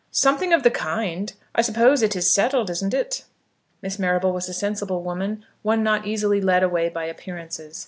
"Something of the kind! I suppose it is settled; isn't it?" Miss Marrable was a sensible woman, one not easily led away by appearances.